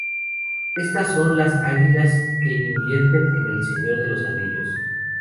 Estas son las Águilas que intervienen en El Señor de los Anillos.